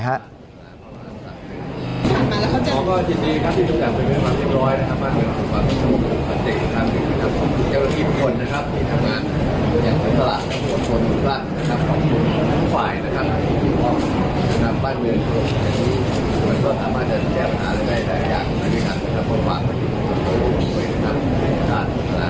แต่เดินเขาจะไม่อยู่กับทองดังที่โดบตัว๒๔ค่ะ